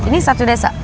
ini satu desa